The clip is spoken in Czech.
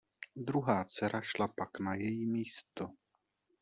Druhá dcera šla pak na její místo.